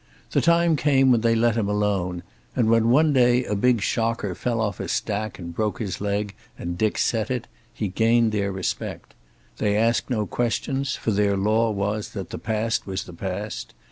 The time came when they let him alone, and when one day a big shocker fell off a stack and broke his leg and Dick set it, he gained their respect. They asked no questions, for their law was that the past was the past.